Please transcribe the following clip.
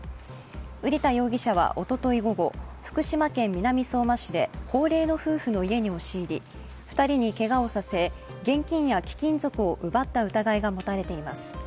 瓜田容疑者はおととい午後、福島県南相馬市で高齢の夫婦の家に押し入り２人にけがをさせ現金や貴金属を奪った疑いが持たれています。